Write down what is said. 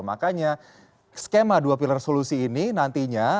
makanya skema dua pilar solusi ini nantinya